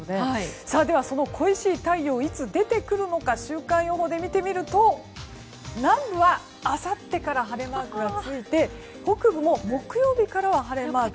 では、その恋しい太陽がいつ出てくるのか週間予報で見てみると南部はあさってから晴れマークがついて北部も木曜日からは晴れマーク。